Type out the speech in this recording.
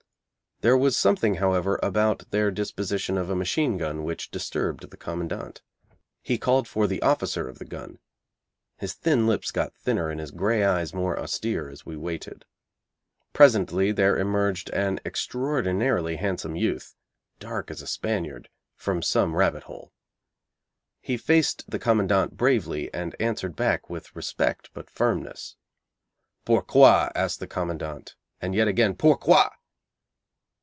There was something, however, about their disposition of a machine gun which disturbed the Commandant. He called for the officer of the gun. His thin lips got thinner and his grey eyes more austere as we waited. Presently there emerged an extraordinarily handsome youth, dark as a Spaniard, from some rabbit hole. He faced the Commandant bravely, and answered back with respect but firmness. 'Pourquoi?' asked the Commandant, and yet again 'Pourquoi?'